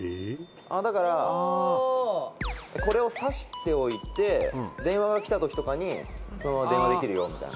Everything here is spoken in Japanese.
「だからこれを挿しておいて電話がきた時とかにそのまま電話できるよみたいな」